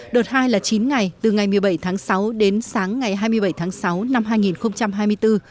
đợt hai là chín ngày từ ngày một mươi bảy tháng sáu đến sáng ngày hai mươi bảy tháng sáu năm hai nghìn hai mươi bốn